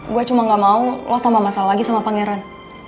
gue cuma gak mau lo tambah masalah lagi sama pangeran